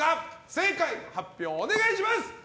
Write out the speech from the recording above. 正解発表お願いします。